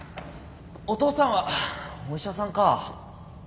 お父さんはお医者さんかぁ。